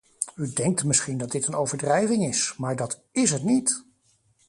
U denkt misschien dat dit een overdrijving is, maar dat is het niet.